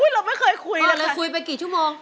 อุ้ยเราไม่เคยคุยเลยค่ะคุยไปกี่ชั่วโมง